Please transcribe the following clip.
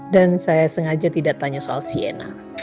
dan saya sengaja tidak tanya soal sienna